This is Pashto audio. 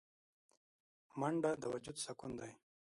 منډه د وجود سکون دی